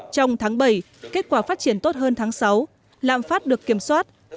trong tháng bảy kết quả phát triển tốt hơn tháng sáu lạm phát được kiểm soát